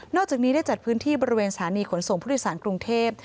จากนี้ได้จัดพื้นที่บริเวณสถานีขนส่งผู้โดยสารกรุงเทพ